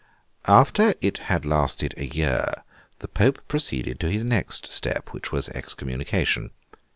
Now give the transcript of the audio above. After it had lasted a year, the Pope proceeded to his next step; which was Excommunication.